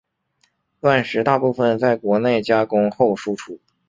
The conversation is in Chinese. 钻石大部份在国内加工后输出。